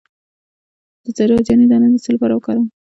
د رازیانې دانه د څه لپاره وکاروم؟